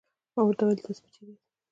ما ورته وویل: تاسې به چیرې یاست؟